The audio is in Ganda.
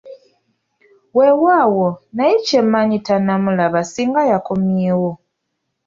Weewaawo, naye kye mmanyi tanamulaba ssinga yaakomyewo.